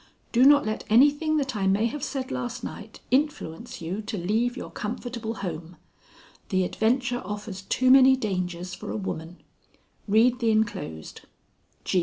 Do not let anything that I may have said last night influence you to leave your comfortable home. The adventure offers too many dangers for a woman. Read the inclosed.